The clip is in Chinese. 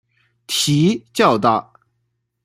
蹄较大。